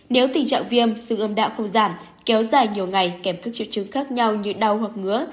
nếu tình trạng viêm xương âm đạo không giảm kéo dài nhiều ngày kèm các triệu chứng khác nhau như đau hoặc ngứa